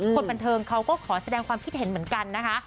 คนบันเทิงเขาก็ขอแสดงความคิดเห็นเหมือนกันนะคะ